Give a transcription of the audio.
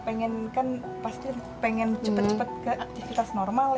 pengen kan pasti pengen cepet cepet ke aktivitas normal